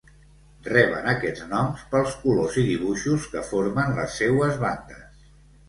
Reben aquests noms pels colors i dibuixos que formen les seues bandes.